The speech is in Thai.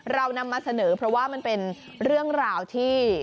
เรานำมาเสนอเพราะว่ามันเป็นเรื่องราวที่